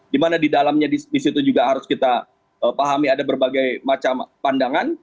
dimana di dalamnya di situ juga harus kita pahami ada berbagai macam pandangan